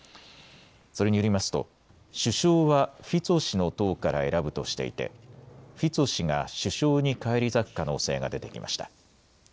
それによりますと首相はフィツォ氏の党から選ぶとしていてフィツォ氏が首相に返り咲く可能性が出てきました。